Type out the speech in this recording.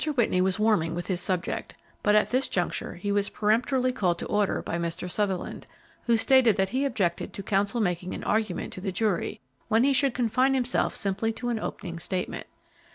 Whitney was warming with his subject, but at this juncture he was peremptorily called to order by Mr. Sutherland, who stated that he objected to counsel making an argument to the jury, when he should confine himself simply to an opening statement.